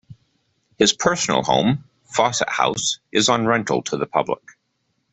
His personal home, Fawcett House, is on rental to the public.